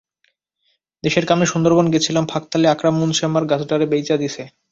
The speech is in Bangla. দেশের কামে সুন্দরবন গেছিলাম, ফাঁকতালে আকরাম মুন্সি আমার গাছডারে বেইচা দিছে।